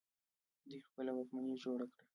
دوی خپله واکمني جوړه کړه